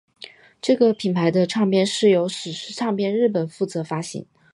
这个品牌的唱片是由史诗唱片日本负责发行。